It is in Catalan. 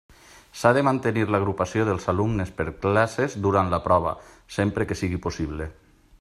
S'ha de mantenir l'agrupació dels alumnes per classes durant la prova, sempre que sigui possible.